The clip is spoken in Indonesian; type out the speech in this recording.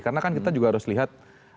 karena kan kita juga harus lihat